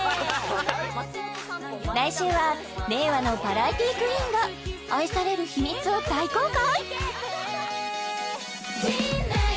来週は令和のバラエティクイーンが愛される秘密を大公開